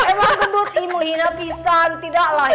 emang gitu dud imo hina pisan tidaklah ya